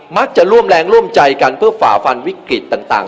มักจะร่วมแรงร่วมใจกันเพื่อฝ่าฟันวิกฤตต่าง